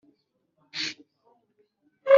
yaratoranije witondere ibyo bakwigisha byose